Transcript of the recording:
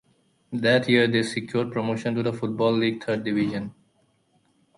That year they secured promotion to the Football League Third Division.